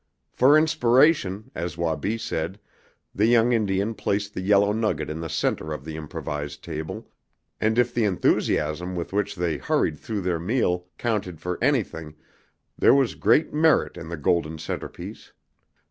For inspiration, as Wabi said, the young Indian placed the yellow nugget in the center of the improvised table, and if the enthusiasm with which they hurried through their meal counted for anything there was great merit in the golden centerpiece.